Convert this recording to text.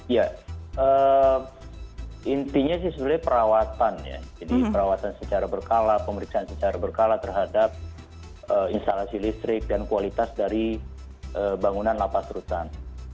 ya intinya sih sebenarnya perawatan ya jadi perawatan secara berkala pemeriksaan secara berkala terhadap instalasi listrik dan kualitas dari bangunan lapas rutan